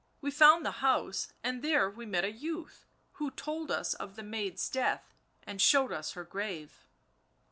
... we found the house, and there we met a youth, who told us of the maid's death and showed us her grave.